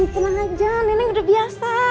tenang aja neneng udah biasa